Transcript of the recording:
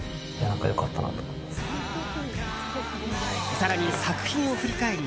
更に、作品を振り返り